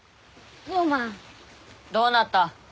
どうなった？